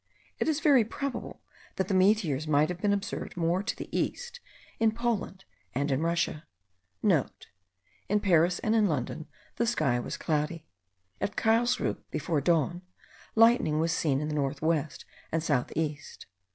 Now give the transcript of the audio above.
It is very probable, that the meteors might have been observed more to the east, in Poland and in Russia.* (* In Paris and in London the sky was cloudy. At Carlsruhe, before dawn, lightning was seen in the north west and south east.